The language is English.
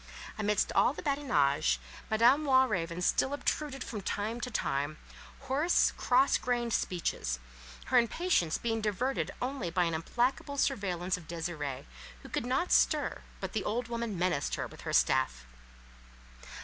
Amidst all the badinage, Madame Walravens still obtruded from time to time, hoarse, cross grained speeches; her impatience being diverted only by an implacable surveillance of Désirée, who could not stir but the old woman menaced her with her staff.